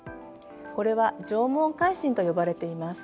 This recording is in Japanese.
これは縄文海進と呼ばれています。